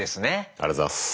ありがとうございます。